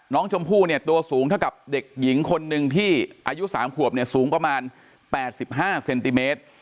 น้องชมพู่เนี่ยตัวสูงเท่ากับเด็กหญิงคนหนึ่งที่อายุ๓ขวบเนี่ยสูงประมาณ๘๕เซนติเมตร